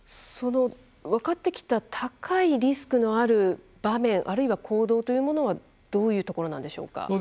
その分かってきた高いリスクのある場面あるいは行動というものはどういうところなんでしょうか？